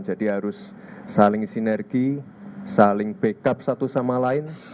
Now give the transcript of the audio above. jadi harus saling sinergi saling backup satu sama lain